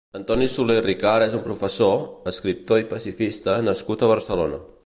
Antoni Soler i Ricart és un professor, escriptor i pacifista nascut a Barcelona.